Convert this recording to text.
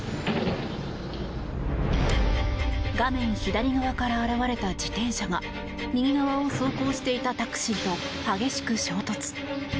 画面左側から現れた自転車が右側を走行していたタクシーと激しく衝突。